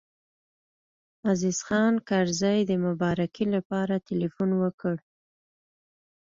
عزیز خان کرزی د مبارکۍ لپاره تیلفون وکړ.